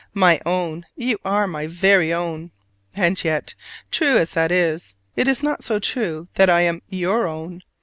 My own, you are my very own! And yet, true as that is, it is not so true as that I am your own.